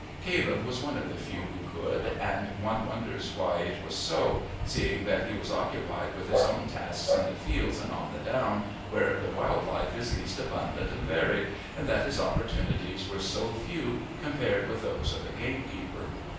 Caleb was one of the few who could, and one wonders why it was so, seeing that he was occupied with his own tasks in the fields and on the down where wild life is least abundant and varied, and that his opportunities were so few compared with those of the gamekeeper.